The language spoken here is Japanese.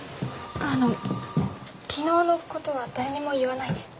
あの昨日のことは誰にも言わないで。